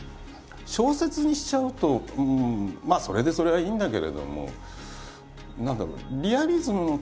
小説にしちゃうとそれでそれはいいんだけれども何だろう結論は出さない？